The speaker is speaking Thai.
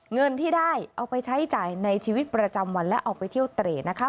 เงินที่ได้เอาไปใช้จ่ายในชีวิตประจำวันและเอาไปเที่ยวเตรดนะคะ